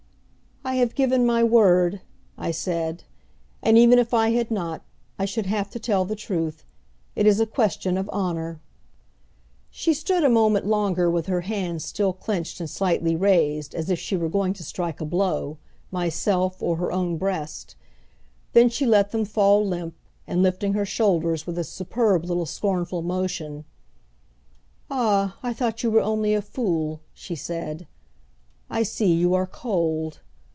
"I have given my word," I said, "and even if I had not, I should have to tell the truth. It is a question of honor." She stood a moment longer with her hands still clenched and slightly raised, as if she were going to strike a blow myself, or her own breast. Then she let them fall limp, and, lifting her shoulders with a superb little scornful motion, "Ah, I thought you were only a fool," she said. "I see, you are cold."